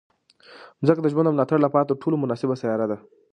مځکه د ژوند د ملاتړ لپاره تر ټولو مناسبه سیاره ده.